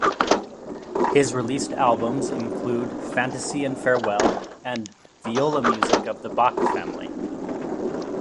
His released albums include "Fantasy and Farewell" and "Viola Music of the Bach Family".